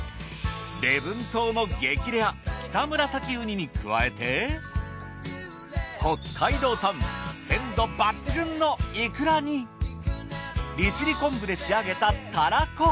礼文島の激レアキタムラサキウニに加えて北海道産鮮度抜群のいくらに利尻昆布で仕上げたたらこ。